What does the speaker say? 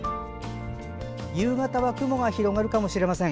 夕方は雲が広がるかもしれません。